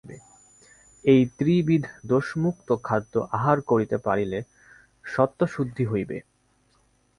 এই ত্রিবিধদোষমুক্ত খাদ্য আহার করিতে পারিলে সত্ত্বশুদ্ধি হইবে।